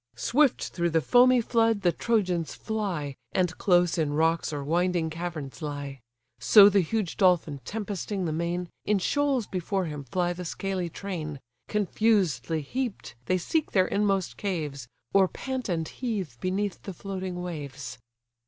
Swift through the foamy flood the Trojans fly, And close in rocks or winding caverns lie: So the huge dolphin tempesting the main, In shoals before him fly the scaly train, Confusedly heap'd they seek their inmost caves, Or pant and heave beneath the floating waves.